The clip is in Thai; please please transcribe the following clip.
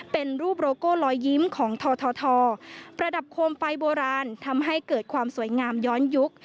เป็นรูปโลโก้ลอยยิ้มของททประดับโคมไฟโบราณทำให้เกิดความสวยงามย้อนยุค